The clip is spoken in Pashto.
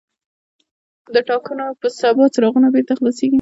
د ټاکنو په سبا څراغونه بېرته خلاصېږي.